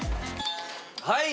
はい。